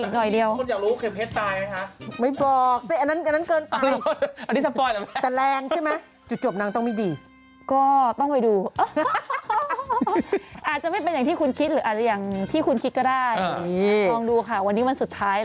คนอยากรู้เขมเพชรตายไหมคะ